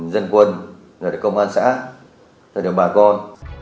dân quân công an xã thờ điều bà con